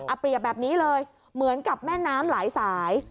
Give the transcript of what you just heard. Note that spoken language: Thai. เอาเปรียบแบบนี้เลยเหมือนกับแม่น้ำหลายสาย